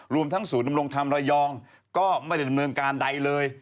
รวมทั้งศูนย์ดำรงธรรมระยองก็ไม่ได้ดำเนินการใดเลย